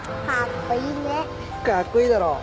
かっこいいだろ？